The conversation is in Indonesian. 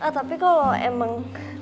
tapi kalau emang